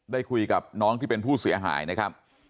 ได้คุยกับน้องที่เป็นผู้เสียหายนะครับ